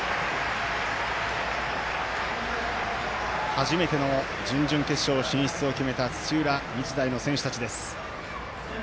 初めての準々決勝進出を決めた土浦日大の選手たちです。